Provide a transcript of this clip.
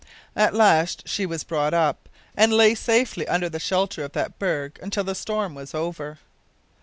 At last she was brought up, and lay safely under the shelter of that berg until the storm was over.